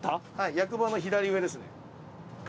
役場の左上ですね。